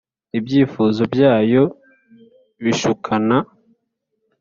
Ibyifuzo byayo bishukana